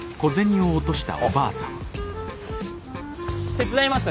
手伝います。